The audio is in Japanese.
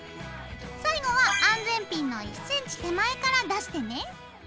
最後は安全ピンの１ｃｍ手前から出してね。